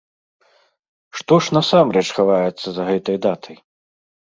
Што ж насамрэч хаваецца за гэтай датай?